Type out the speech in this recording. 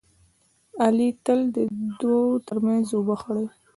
علي تل د دوو ترمنځ اوبه خړوي.